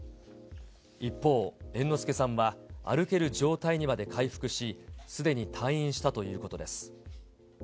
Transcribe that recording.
一方、猿之助さんは歩ける状態にまで回復し、すでに退院したということです。